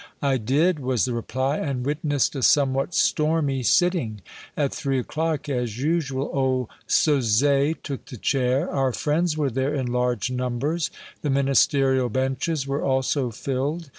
"I did," was the reply, "and witnessed a somewhat stormy sitting. At three o'clock, as usual, old Sauzet took the chair. Our friends were there in large numbers; the Ministerial benches were also filled.